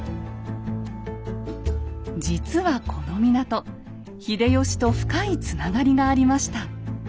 実はこの港秀吉と深いつながりがありました。